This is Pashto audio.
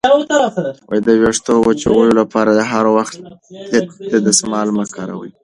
د ویښتو وچولو لپاره هر وخت دستمال مه کاروئ.